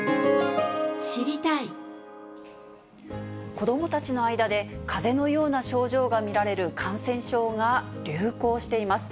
子どもたちの間で、かぜのような症状が見られる感染症が流行しています。